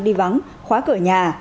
đi vắng khóa cửa nhà